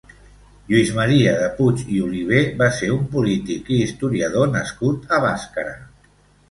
Lluís Maria de Puig i Olivé va ser un polític i historiador nascut a Bàscara.